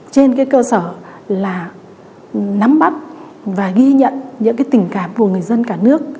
trên cái cơ sở là nắm bắt và ghi nhận những tình cảm của người dân cả nước